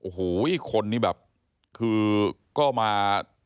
โอ้โหคนนี้แบบคือก็มา